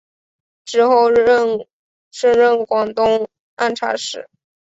之后升任广东按察使。